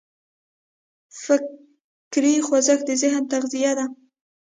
فکري خوځښت د ذهن تغذیه ده.